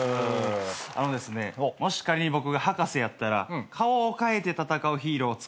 あのですねもし仮に僕が博士やったら顔をかえて戦うヒーローをつくると思うんですよ。